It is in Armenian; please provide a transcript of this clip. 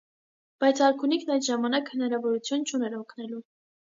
Բայց արքունիքն այդ ժամանակ հնարավորություն չուներ օգնելու։